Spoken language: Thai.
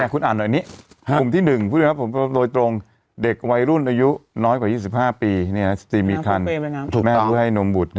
คุณอ่านหน่อยภูมิที่๑โดยตรงเด็กวัยรุ่นอายุน้อยกว่า๒๕ปี๑๔มีคันถูกแม่งรู้ให้นมบุตร